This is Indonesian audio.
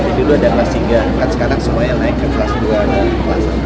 jadi dulu ada kelas tiga kan sekarang semuanya naik ke kelas dua ke kelas satu